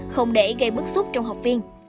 không để gây bức xúc trong học viên